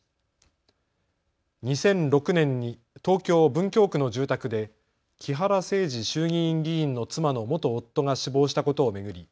２００６年に東京文京区の住宅で木原誠二衆議院議員の妻の元夫が死亡したことを巡り